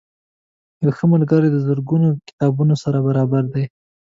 یو ښه ملګری د زرګونو کتابتونونو سره برابر دی.